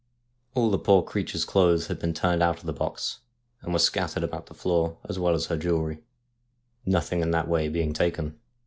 All the poor creature's clothes had been turned out of the box, and were scattered about the floor, as well as her jewellery, nothing in that way being taken.